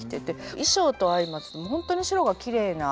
衣装と相まって本当に白がきれいな。